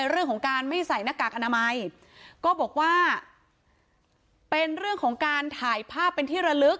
เรื่องของการไม่ใส่หน้ากากอนามัยก็บอกว่าเป็นเรื่องของการถ่ายภาพเป็นที่ระลึก